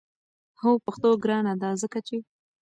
هو پښتو ګرانه ده! ځکه چې